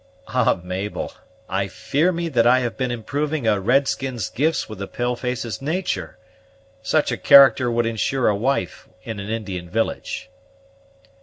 "Ah, Mabel! I fear me that I have been improving a red skin's gifts with a pale face's natur'? Such a character would insure a wife in an Indian village."